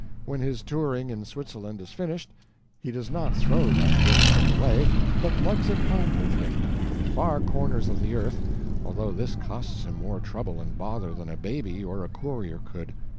When his touring in Switzerland is finished, he does not throw that broomstick away, but lugs it home with him, to the far corners of the earth, although this costs him more trouble and bother than a baby or a courier could.